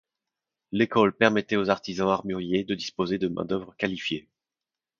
L'école permettait aux artisans armuriers de disposer de main d'œuvre qualifiée.